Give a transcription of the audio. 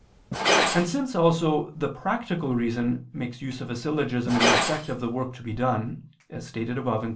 And since also the practical reason makes use of a syllogism in respect of the work to be done, as stated above (Q.